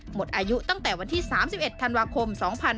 หมดอายุตั้งแต่วันที่๓๑ธันวาคม๒๕๕๙